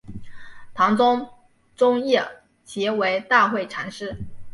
唐中宗谥其为大惠禅师。